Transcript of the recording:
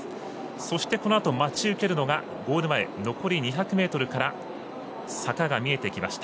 そして、このあと待ち受けるのがゴール前残り２００ｍから坂が見えてきました。